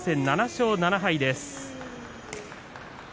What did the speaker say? ７勝７敗です。